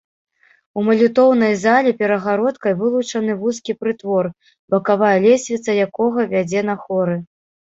У малітоўнай зале перагародкай вылучаны вузкі прытвор, бакавая лесвіца якога вядзе на хоры.